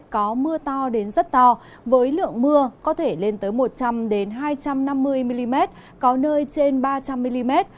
có mưa to đến rất to với lượng mưa có thể lên tới một trăm linh hai trăm năm mươi mm có nơi trên ba trăm linh mm